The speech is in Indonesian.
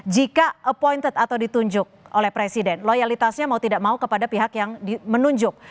jika appointed atau ditunjuk oleh presiden loyalitasnya mau tidak mau kepada pihak yang menunjuk